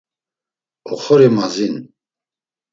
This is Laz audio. Oxori mazin.